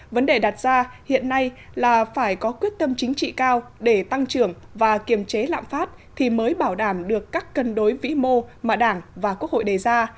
vấn đề đặt ra hiện nay là phải có quyết tâm chính trị cao để tăng trưởng và kiềm chế lạm phát thì mới bảo đảm được các cân đối vĩ mô mà đảng và quốc hội đề ra